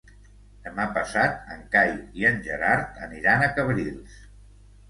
Demà passat en Cai i en Gerard aniran a Cabrils.